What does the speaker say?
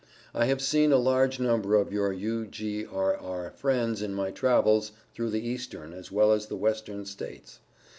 I have seen a large number of your U.G.R.R. friends in my travels through the Eastern as well as the Western States.